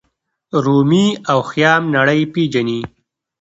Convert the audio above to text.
رومي او خیام نړۍ پیژني.